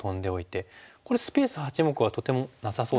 これスペース８目はとてもなさそうですよね。